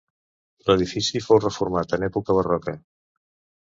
L'edifici fou reformat en època barroca.